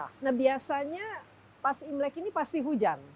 nah biasanya pas imlek ini pasti hujan